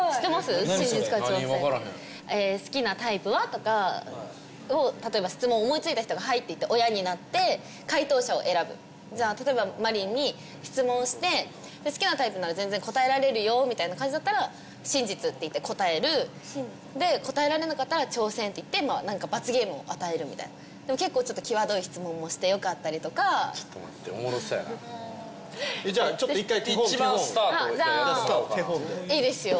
分からへん「好きなタイプは？」とかを例えば質問を思いついた人が「はい」って言って親になって回答者を選ぶじゃあ例えばマリンに質問して好きなタイプなら全然答えられるよみたいな感じだったら「真実」って言って答える「真実」で答えられなかったら「挑戦」って言って何か罰ゲームを与えるみたいなでも結構ちょっと際どい質問もしてよかったりとかちょっと待っておもろそうやなじゃあちょっと一回手本１番スタートあっじゃあいいですよ